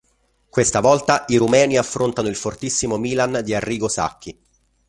Questa volta i rumeni affrontano il fortissimo Milan di Arrigo Sacchi.